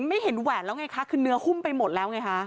ไม่เห็นแหวนแล้วไงคะคือเนื้อหุ้มไปหมดแล้วไงคะ